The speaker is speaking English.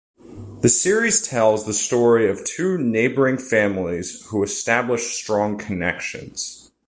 The series tells the story of two neighbouring families who establish strong connections.